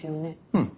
うん。